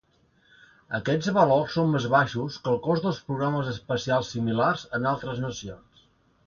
Aquests valors són més baixos que el cost dels programes espacials similars en altres nacions.